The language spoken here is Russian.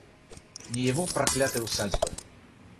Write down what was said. ни его проклятой усадьбы.